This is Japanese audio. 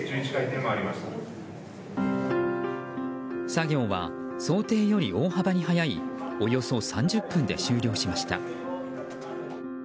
作業は、想定より大幅に早いおよそ３０分で終了しました。